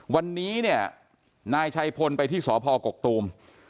วันนี้เนี่ยนายชัยพลไปที่สพกกตูม